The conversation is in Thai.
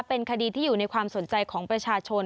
เป็นคดีที่อยู่ในความสนใจของประชาชน